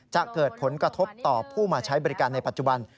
จะเกิดผลกระทบต่อผู้มาใช้บริการในปัจจุบัน